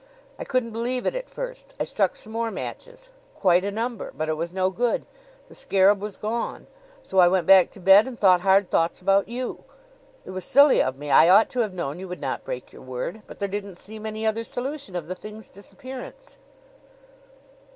I couldn't believe it at first. I struck some more matches quite a number but it was no good. The scarab was gone; so I went back to bed and thought hard thoughts about you. It was silly of me. I ought to have known you would not break your word; but there didn't seem any other solution of the thing's disappearance.